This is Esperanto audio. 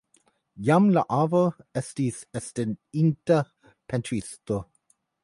Jam la avo estis estinta pentristo.